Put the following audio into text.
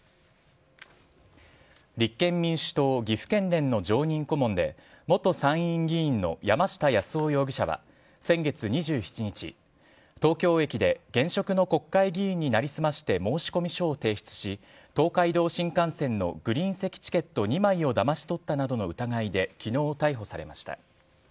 立憲民主党岐阜県連の常任顧問で、元参院議員の山下八洲夫容疑者は先月２７日、東京駅で現職の国会議員に成り済まして申込書を提出し、東海道新幹線のグリーン席チケット２枚をだまし取ったなどの疑いできのう逮捕されました。